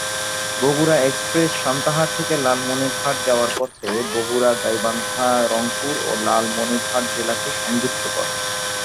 Bogura express Santahar থেকে লালমনিরহাট যাওয়ার পথে বগুড়া, গাইবান্ধা, রংপুর ও লালমনিরহাট জেলাকে সংযুক্ত করে।